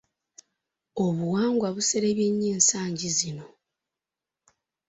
Obuwangwa buserebye nnyo ensangi zino.